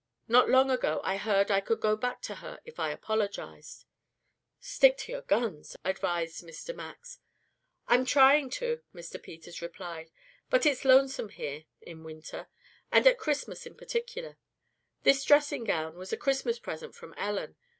Not long ago I heard I could go back to her if I apologized." "Stick to your guns," advised Mr. Max. "I'm trying to," Mr. Peters replied. "But it's lonesome here in winter. And at Christmas in particular. This dressing gown was a Christmas present from Ellen.